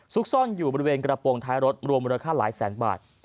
ซ่อนอยู่บริเวณกระโปรงท้ายรถรวมมูลค่าหลายแสนบาท